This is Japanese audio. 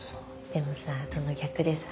でもさその逆でさ